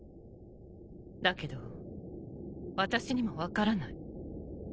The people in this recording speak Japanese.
だけど私にも分からない